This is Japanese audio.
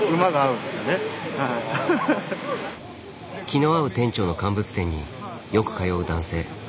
気の合う店長の乾物店によく通う男性。